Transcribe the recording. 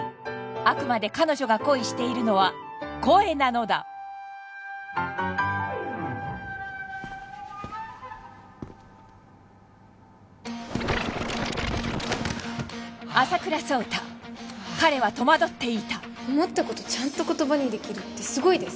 あくまで彼女が恋しているのは声なのだ朝倉奏汰彼は戸惑っていた思ったことちゃんと言葉にできるってすごいです